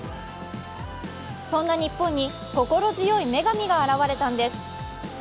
そんな日本に心強い女神が現れたんです。